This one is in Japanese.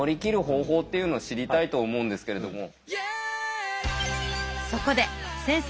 方法っていうのを知りたいと思うんですけれども。